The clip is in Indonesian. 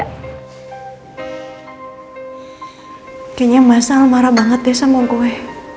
kayaknya masal marah banget deh sama gue